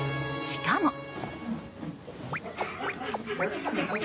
しかも。